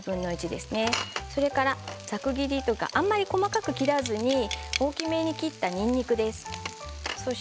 ざく切りというかあまり細かく切らずに大きめに切ったにんにくです。